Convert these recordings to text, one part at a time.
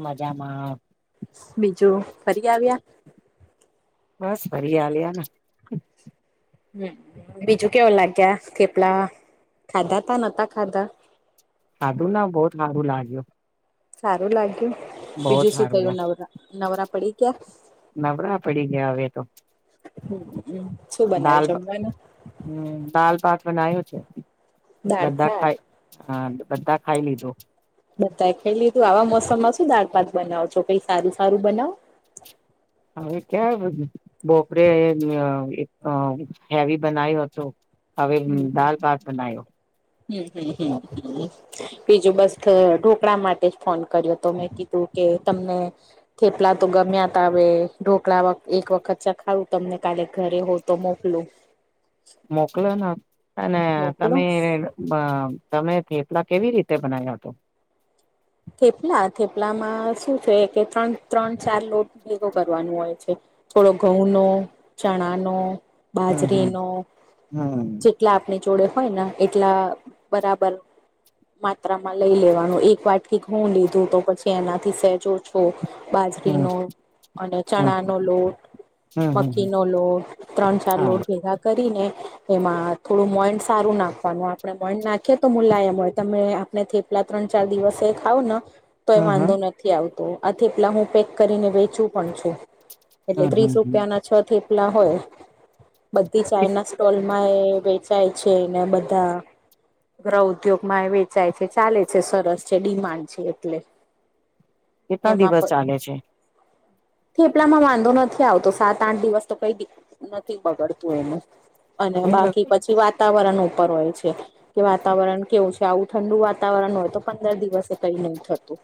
મજામાં બીજું ફરી આવ્યા? બસ ફરી હાલે આના હ બીજું કેવું લાગ્યા કેપલા ખાધા તા નતા ખાધા ખાધુ ના બઉત હારું લાગ્યું. સારું લાગ્યું. બહુત બીજું શું સારું થયું? લાગ નવર નવરા પડી ક્યા? નવરા પડી ગયા હવે તો [unintelligible] દાલ, જમવાનું? હમ્મ દાલ પાત બનાયું છે, દાળ બધા ભાત ખાય. હા બધા ખાઈ લીધો. બધા ખેલ તું આવા મોસમમાં શું દાળપાત બનાવો છો કઈ સારું સારું બનાવ. હવે ક્યાં બોપરેે અ અ હેવી બનાવ્યું હતું. હવે દાલ ભાત બનાયો. [unintelligible] બીજું બસ ઢોકળા માટે જ ફોન કર્યો તો મેં કીધું કે તમને થેપલા તો ગમ્યા ભાવે ઢોકળા એક વખત ચખાડું તમને કાલે ઘરે હોવ તો મોકલું. મોકલો ના અને મોકલું તમે અ તમે ફેપલા કેવી રીતે બનાવ્યા હત? થેપલા થેપલામાં શું છે કે ત્રણ ત્રણ ચાર લોટ ભેગો કરવાનું હોય છે. થોડો ઘઉં નો, ચણાનો બાજરી હમ નો, હમ જેટલા આપની જોડે હોય ને એટલા બરાબર માત્રામાં લઈ લેવાનું એક વાટકી ઘઉં લીધું તો પછી એનાથી સહેજો છો હમ બાજરીનો અને હમ ચણા નો લોટ હમ હમ મખી હમ નો લોટ ત્રણ ચાર હા લોટ ભેગા કરીને એમાં થોડું મોડ સારું નાખવાનું આપણે મોડ નાખીએ તો મુલાયમ હોય તમેં ને થેપલા ત્રણ ચાર દિવસે ખાઉંને તો એ હમ હમ વાંધો નથી આવતો આ થેપલા હું પેક કરીને વેચું પણ છું. એટલે હમ હમ ત્રીસ હમ રૂપિયા ના છ થેપલા હોય. બધી ચાઈના સ્ટોલ માંએ વેચાય છે ને બધા ગ્રહ ઉદ્યોગ માં વેચાય છે. ચાલે છે સરસ છે ડિમાન્ડ છે એટલે. કેટલા એમાં દિવસ ચાલે છે? થેપલામાં વાંધો નથી આવતો, સાત આઠ દિવસ તો કઈ દી નથી બગડતું એનું અને નહી બાકી લગતું પછી વાત વાતાવરણ ઉપર હોય છે કે વાતાવરણ કેવું છે આવું ઠંડુ વાતાવરણ હોય તો પંદર દિવસ તો કઈ નહી થતું.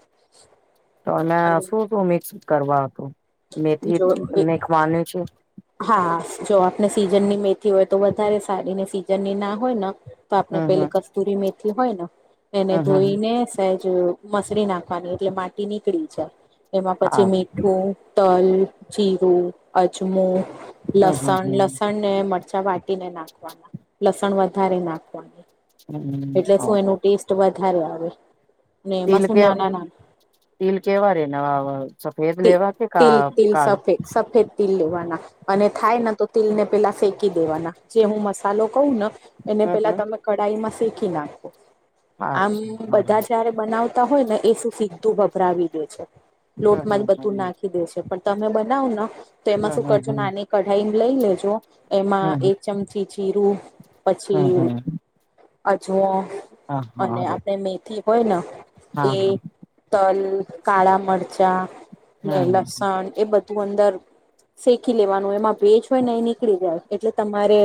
તો એમે અને શું તું મિક્સ કરવા હતું, મેથી જો મેખવાનું છે? હા જો આપને સીઝનની મેથી હોય તો વધારે સારી ને સીઝનની ના હોય ને તો આપણે હમ હમ પેલી કસ્તુરી મેથી હોય ને એને હમ હમ હમ ધોઈને મસળ નાખવાની એટલે માટી નીકળી છે એમાં હા પછી મી મઠું, તલ, જીરો, અજમો, હમ હમ લસણ. હમ લસણ મરચા વાટીને નાખવાના, લસણ વધારે નાખવાની. હમ એટલે શું ઓહો એનું ટેસ્ટ વધારે આવે. ને એમાં તિલ શું કે નાના નાના તિલ કેવા રેને સફેદ તિલ લેવા કે કા તિલ કાલ સફેદ સફેદ તિલ લેવાના અને થાય ને તો તીલ ને પેલા શેકી દેવાના જે હું મસાલો કહું ને એને હમ પેલા હમ તમે કડાઈ માં શેકી નાખો. આમ અચ્છા બધા બરોબર જ્યારે બનાવતા હોય ને એ શું સીધું ભભરાવી દે છે લોટ હમ માં જ હમ બધું હમ નાખી દે છે પણ તમે બનાવ ને તો એમાં હમ શું કરજો હમ નાની કઢાઈ લઈ લેજો એમાં હમ હમ એક ચમ પછી જીરું, હમ પછી હમ અજમો હા અને હારું આપણને થી હોય ને હા એ હા તલ, કાળા મરચાં ને હમ લસણ એ બધું અંદર ખી લેવાનું એમાં ભેજ હોય ને એ નીકળી જાય એટલે તમારે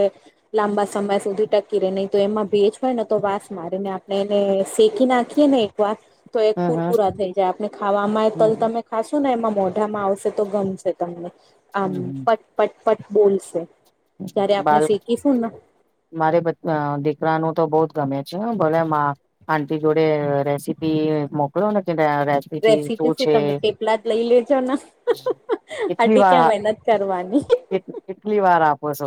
લાંબા સમય સુધી ટકી રહેે, નહી તો એમાં ભેજ હોય ને તો વાંસ મારેને આપણે એને શેકી નાખીએ ને [unintelligible] તો એ હમ કુરકુરા થઈ જાય આપણે ખાવા માંય હમ તલ તમે ખાસુ ને એમાં મોઢામાં આવશે તો ગમશે તમને આમ હમ પટ પટ પટ બોલશે. જયારે આપણે બાલે. શેકીશું ને મારે અ દીકરાનું તો બોત ગમે છેને ભલે મા આંટી જોડે રેસીપી મોકલો કે ભય આ રે રેસીપી શું તમે થેપલા જ લઈ લેજોને. કેટલીવારઅ કે કેટલીવારઅ. બસ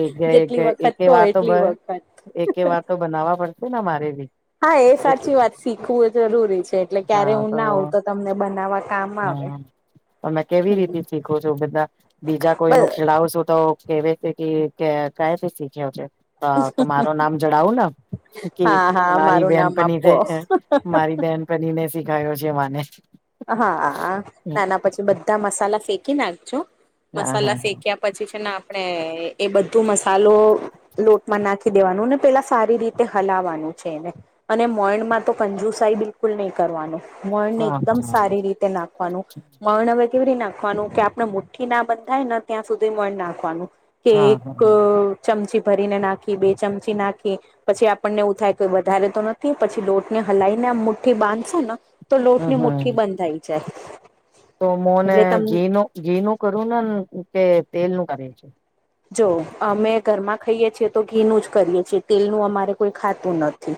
એકેગ જેટલી એક વખત એક કહો વાતો એટલી ભર વખત એકે વાત તો બનાવવા પડશે ને મારે બી. હા એ સાચી વાત શીખવું એ જરૂરી છે એટલે ક્યારે હું ના હોવું તો તમને બનાવા કામ આવે. પણ મેં કેવી હમ રીતે શીખું છું બધા બીજા કોઈ બસ. નું ખીલાવશો તો કેવે છે કે કેયાથી શીખ્યો છે તો મારૂ નામ જણાવું ને. કે હા હા મારી મારું નામ બેહેનપની આપો મારી બેહેનપની ને શીખાયો છે મને. હ આ આ આના પછી બધા મસાલા શેકી નાખજો હા હા મસાલા શેક્યા પછી છે ને આપણે એ બધું મસાલો લોટમાં નાખી દેવાનું ને પેલા સારી રીતે હલાવાનું છે એને. અને મોઇણ માં તો કંજુસાઈ બિલકુલ નહી કરવાનું. મોઇણ ને હા એકદમ હા સારી રીતે નાખવાનું. મોઈણ હવે કેવી રે નાખવાનું કે આપણે મુઠ્ઠી ના બંધાય ને ત્યાં સુધી મોઈણ નાખવાનુ. તે હા હા એક હા ચમચી ભરીને નાખી બે ચમચી નાખી. પછી આપણને એવું થાય કોઈ વધારે તો નથી પછી લોટને હલાઈને આ મુઠ્ઠી બાંધશું ને તો લોટની હમ મૂઠ તો મોને એટલે તમ ઘી નું ઘી નું કરું ને કે તેલ નું કરે છે. જો અમે ઘરમાં ખઈએ છીએ તો ઘીનું જ કરીએ છીએ તેલનું અમારે કોઈ ખાતું નથી.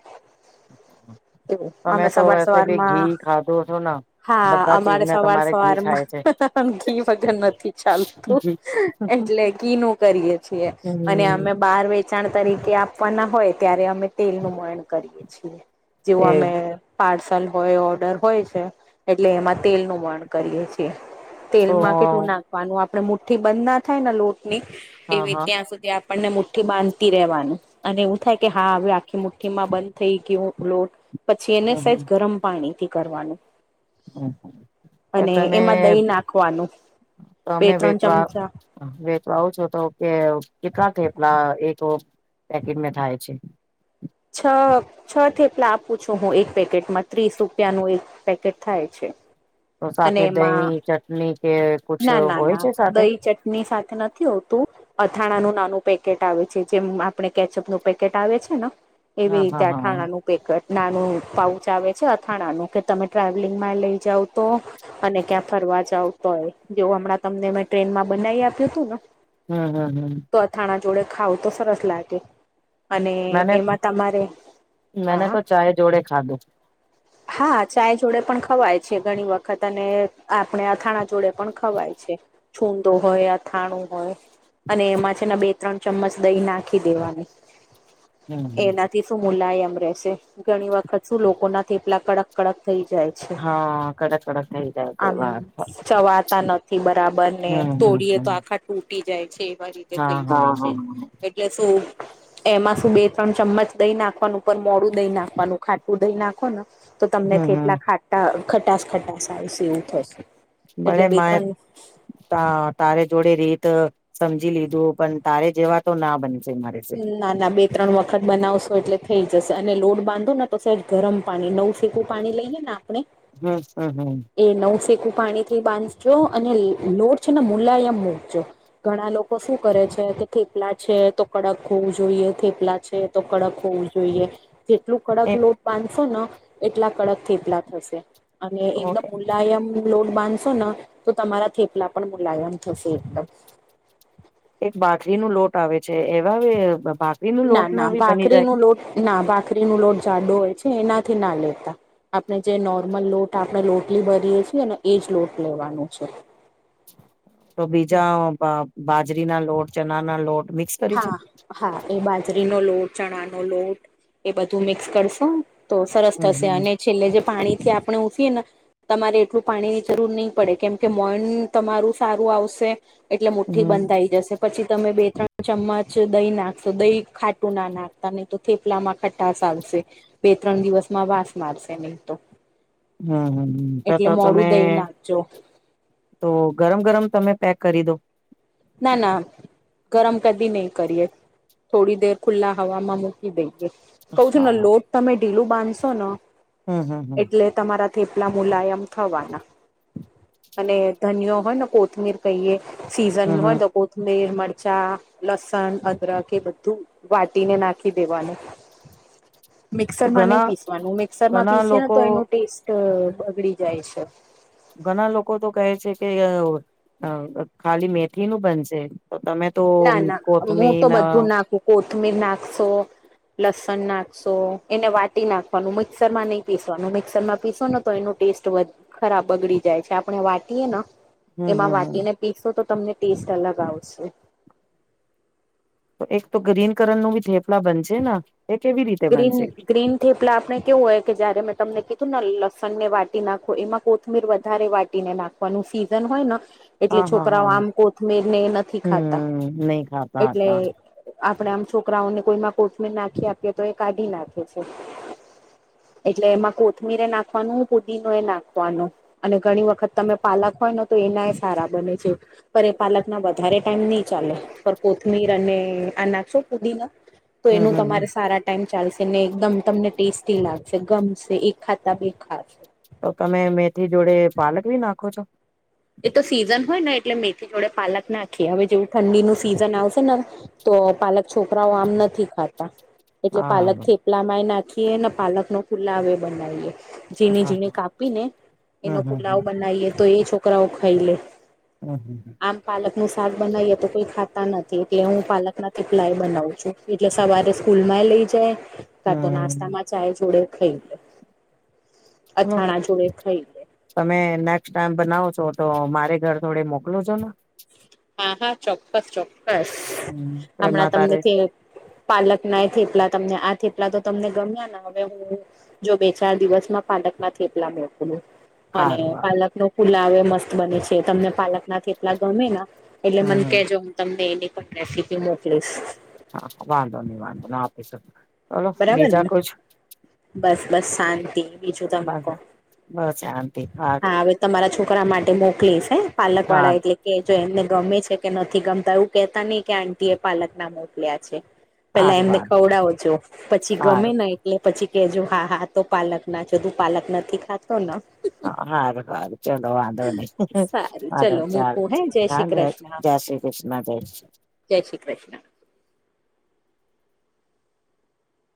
એવું તમે અમે તો સવાર વેસે ભી સવારમાં ઘી ખાધુ હશે ન. હા અમારે સવાર સવાર માં ઘી વગર નથી ચાલતું. જી એટલે ઘી નું કરીએ છીએ અને હમ અમે બહાર વેચાણ તરીકે આપવાના હોય ત્યારે અમે તેલનું મયણ કરીએ છીએ. જેવું એ અમે પાર્સલ હોય ઓર્ડર હોય છે એટલે એમાં તેલનું મોયણ કરીએ છીએ. તો તેલમાં કેટલું નાખવાનું આપડે મુઠ્ઠી બંધ ના થાય ને લોટ ની હા એવી હા ત્યાં સુધી આપણને મુઠ્ઠી બાંધતી રહેવાની અને એવું થાય કે હા હવે આખી મુઠ્ઠી માં બંધ થઈ ગ્યું. લોટ પછી એને સહેજ હમ ગરમ પાણીથી કરવાનું. હમ તો અને તમે એમાં દહી નાખવાનું બે ત્રણ ચમચા. હવે તો આવ છો તો કે કેટલા થેપલા એક પેકેટ થાય છે. છ છ થી એટલા આપું છું હું એક પેકેટમાં ત્રીસ રૂપિયાનું એક પેકેટ થાય છે. તો અને સાથે દહીં, એમાં ચટણી કે કુછ ના ના હોય ના, છે સાથે દહીં ચટણી સાથે નથી હોતું? અથાણાનું નવુ પેકેટ આવે છે જેમ આપણે કેચઅપનું પેકેટ આવે છેના. એવી હા રીતે હા હા અથાણાનું. પેકટ નાનું પાઉચ આવે છે અથાણાનું કે તમે ટ્રાવેલિંગમાં લઈ જાવ તો અને ક્યાં ફરવા જાવતો હોય જેવ હમણાં તમને મે ટ્રેનમાં બનાવી આપ્યું હતું ને. હમ હમ હમ. તો અથાણા જોડે ખાવ તો સરસ લાગે. અને મેને એમાં તમારે મેને હા. તો ચાય જોડે. ખાધુ. હા, ચાય જોડે પણ ખવાય છે ઘણી વખત અને આપણે અથાણા જોડે પણ ખવાય છે. છુંદો હોય, અથાણું હોય. અને એમાં છેના બે ત્રણ ચમચ દહીં નાખી દેવાની. હમ એનાથી શું મુલાયમ રેહશે ઘણી વખત શું લોકોના થેપલા કડક કડક થઈ જાય છે હા, કડક કડક થઈ જાય આમ તેવા ચવાતા નથી બરાબર ને હમ તોડીએ તો હમ આખા તૂટી જાય છે. હા હા, થઈ જ છે એટલે શું એમાં શું બે ત્રણ ચમચ દય નાખવાનું પણ મોડું દહી નાખવાનું ખાટુ દય નાખ કોના તો તમને હમ હમ થેપલા ખાટા ખટાસ ખટાસ આવશે એવું થશે. એટલે બે [unintelligible] ત્રણ તારે જોડે રીત સમજી લીધું પણ તારે જેવા તો ના બનશે મારે ના ના, બે ત્રણ વખત બનાવશો એટલે થઇ જશે અને લોડ બાંધો ને તો સેજ ગરમ પાણી નવ સીકું પાણી લઈએ ને આપણે હમ હમ હમ એ નવું ફેકું પાણીથી બાંધજો અને લોટ છે ને મુલાયમ મૂકજો ઘણા લોકો શું કરે છે કે થેપલા છે તો કડક હોવું જોઈએ થેપલા છે તો કડક હોવું જોઈએ જેટલું કડક એ લોટ બાનશો ન એટલા કડક થેટલા થશે. અને એકદમ મુલાયમ લોટ બાંધશો ન તો તમારા થેપલા પણ મુલાયમ થશે એકદમ એક બાટલી નું લોટ આવે છે એવા બા ના ના, ભાખરી ન લોટ ના ભાખરી ન લોટ જાડુ હોય છે એનાથી ના લેતા આપણે જે નોર્મલ લોટ આપણે લોટલી ભરીએ છીએ ને એ જ લોટ લેવાનું છે. [inaudible] તો બીજા બાજરી ના લોટ ચણાના લોટ મિક્સ કરી છે હા, હા એ બાજરીનો લોટ ચણાનો લોટ એ બધું મિક્સ કરશો તો સરસ હમ થશે હમ અને છેલ્લે જે પાણીથી આપણે ઉઠીએ ના તમારે એટલું પાણીની જરૂર ની પડે કેમ કે મોન તમારું સારું આવશે એટલે હમ મુઠ્ઠી બંધાઈ જશે પછી તમે બે ત્રણ ચમ્મચ દય નાખશો દય ખાટું ના નાખતા નઈ તો થેપલામાં ખટાશ આવશે બે ત્રણ દિવસમાં વાસ મારશે નઈ તો હમ હમ, તો એટલે તો મોડું તમે દહીં નાખજો તો ગરમ ગરમ તમે પેક કરી દો ના ના ગરમ કદી નઈ કરીએ થોડી દેર ખુલ્લા હવામાં મૂકી દઈએ કઉ છુંને હા લોટ તમે ઢીલું બાંધશો ન હમ હમ હમ એટલે તમારા થેપલા મુલાયમ થવાના અને ધનયો હોય ને કોથમીર કહીએ સીઝન હમ હમ હોય તો કોથ મીર મરચા, લસણ, અદરખ એ બધું વાટીને નાખી દેવાનું તો મિક્સરમાં નહી ઘણા પીસવાનું મિક્સરમાં ઘણા પીસીએ ને લોકો તો એનું ટેસ્ટ બગડી જાય છે. ઘણા લોકો તો કહે છે કે ખાલી મેથી નું બનશે તો તમે તો ના ના મું તો કોથમીર બધું નાખું કોથમીર નાખશો લસણ નાખશો એને વાટી નાખવાનું મિક્સર માં નહી પીસવાનું મિક્સર માં પીસો ને તો એનું ટેસ્ટ ખરાબ વધ ખરાબ બગડી જાય છે, આપણે વાંટીએ ન હમ એમાં હમ હમ વાટીને પીશો તો તમને ટેસ્ટ અલગ આવશે તો એક તો ગ્રીન કરનું નું ભી થેપલા બનશે. એ કેવી રીત ગ્રીન ગ્રીન થેપલા આપણે કેવું હોય કે જ્યારે મેં તમને કીધું ને લસણને વાટી નાખો એમાં કોથમીર વધારે વાટીને નાખ વાનું સીઝન હોય ન એટલે હા હા છોકરાઓ હા આમ કોથમિરને એ નથી ખાતા હમ નહી ખાતા એટલે હતા આપડે આમ છોકરાઓને કોઈમાં કોથમીર નાખી આપીએ તો એ કાઢી નાખે છે. એટલે એમાં કોથમીરે એ નાખવાનું ફૂદીનો એ નાખવાનું અને ઘણી વખત તમે પાલક હોય ને તો એનાય સારા બને છે. પર એ પાલક ના વધારે ટાઈમ નહી ચાલે પર કોથમીર અને આ નાખસો કુદીનો. તો હમ એનું હમ હમ તમારે સારા ટાઈમ ચાલશે ને એકદમ તમને ટેસ્ટી લાગશે ગમશે એક ખાતા બે ખાસ તો તમે મેથી જોડે પાલક ભી નાખો છો. એ તો સીઝન હોય ને એટલે મેથી જોડે પાલક નાખીએ હવે જેવું ઠંડીનું સીઝન આવશે ન તો પાલક છોકરાઓ આમ નથી ખાતા. એટલે પાલક હા થેપલામાંય નાખીએ ને પાલક નો પુલ્લાવે બનાવીએ. ઝીણી હા ઝીણી કાપી ને હમ એનો પુલાવ હમ બનાવીએ તો એ છોકરાઓ ખઈ લે. અહમહમ. આમ પાલક નું શાક બનાવીએ તો કોઈ ખાતા નથી એટલે હું પાલક ના થેપલાય બનાવ છું એટલે સવારે સ્કૂલ માંય લઈ જાય કા તો હમ નાસ્તા માં ચાય જોડે ખઈ હમ અથાણા જોડે ખઈ તમે નેક્સ્ટ ટાઈમ બનાવો છો તો મારે ઘર થોડે મોકલું છો ને? હા હા ચોક્કસ ચોક્કસ હમ હમણાં એમાં તમને તારે થેપ પાલક ના એ થેપલા તમને આ થેપલા તો તમને ગમ્યા ને હવે હું જો બે ચાર દિવસમાં પાલક ના થેપલા મોકલુ. અને હારું હારું પાલક નો પુલ્લાવે મસ્ત બને છે તમને પાલક ના થેપલા ગમે ના. એટલે હમ મન હમ કેજો હું તમને એની પણ રેસીપી મોકલીશ. હા વાંધો નહી વાંધો આપી શક ચલો બરાબર બીજા ને કુછ. બસ બસ શાંતિ બીજું તમે બસ કો બસ શાંતિ હા હારું હવે તમારા છોકરા માટે મોકલીશ હે પાલક હા વાળા એટલે કે જો એમને ગમે છે કે નથી ગમતા એવું કેહેતા નહી કે આંટી એ પાલક ના મોકલ્યા છે. પેલા હારું એમને હારું ખવડાવોજો પછી ગમે હારું નયે એટલે પછી કેજો હા હા તો પાલક ના છે તું પાલક નથી ખાતો ન. હા હારું હારું. ચલો વાંધો નહી સારું વાંધો ચલો ચાલ મૂકું હે જય શ્રી કૃષ્ણ [unintelligible] જય શ્રી કૃષ્ણ જય શ્રી જય શ્રી કૃષ્ણ.